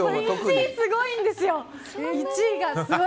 １位すごいんですよ。